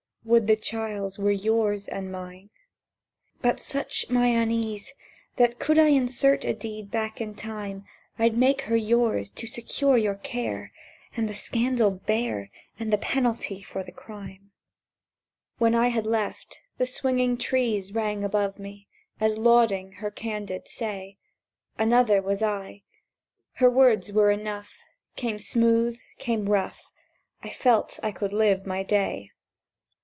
Would the child were yours and mine! "As a wife I was true. But, such my unease That, could I insert a deed back in Time, I'd make her yours, to secure your care; And the scandal bear, And the penalty for the crime!" —When I had left, and the swinging trees Rang above me, as lauding her candid say, Another was I. Her words were enough: Came smooth, came rough, I felt I could live my day.